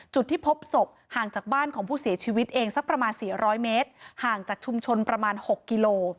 จุดที่พบศพห่างจากบ้านของผู้เสียชีวิตเองสักประมาณ๔๐๐เมตรห่างจากชุมชนประมาณ๖กิโล